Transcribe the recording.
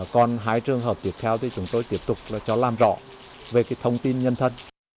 còn hai trường hợp tiếp theo thì chúng tôi tiếp tục cho làm rõ về thông tin nhân thân